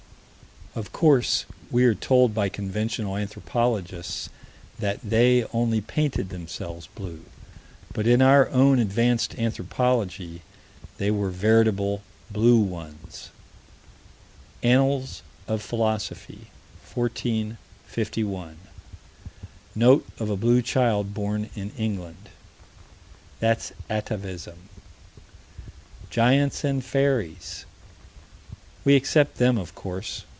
Of course we are told by conventional anthropologists that they only painted themselves blue, but in our own advanced anthropology, they were veritable blue ones Annals of Philosophy, 14 51: Note of a blue child born in England. That's atavism. Giants and fairies. We accept them, of course.